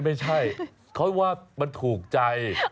ไม่ใช่เขาว่ามันถูกใจ